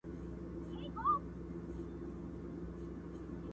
څلور پښې يې نوري پور كړې په ځغستا سوه،